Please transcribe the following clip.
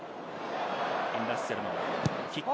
フィン・ラッセルのキック。